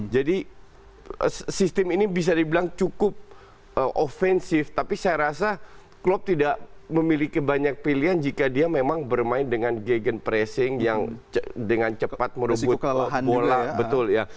jadi sistem ini bisa dibilang cukup ofensif tapi saya rasa klub tidak memiliki banyak pilihan jika dia memang bermain dengan gegen pressing yang dengan cepat merubah bola